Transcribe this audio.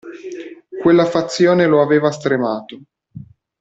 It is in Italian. Quella fazione lo aveva stremato.